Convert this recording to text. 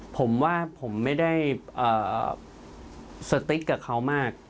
ผมว่าผมไม่ได้สติกกับเขามาก